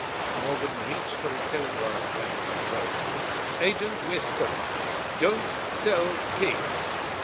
Morgan reached for a telegraph blank and wrote: "Agent, Westcote. Don't sell pigs."